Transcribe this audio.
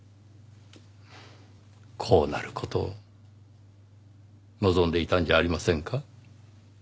こうなる事を望んでいたんじゃありませんか？